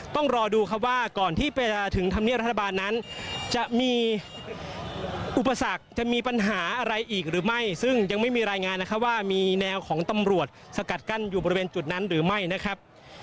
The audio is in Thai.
ต้องรอดูครับว่าก่อนที่จะถึงธรรมเนียบรัฐบาลนั้นจะมีอุปสรรคจะมีปัญหาอะไรอีกหรือไม่ซึ่งยังไม่มีรายงานนะครับว่ามีแนวของตำรวจสกัดกั้นอยู่บริเวณจุดนั้นหรือไม่นะครับ